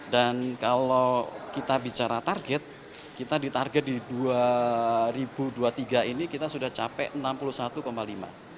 dan kalau kita bicara target kita ditarget di dua ribu dua puluh tiga ini kita sudah capek enam puluh satu lima persen